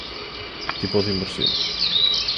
Tipos de inversión